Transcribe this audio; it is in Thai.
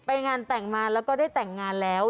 ไปงานแต่งมาแล้วก็ได้แต่งงานแล้ว